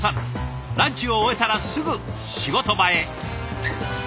ランチを終えたらすぐ仕事場へ。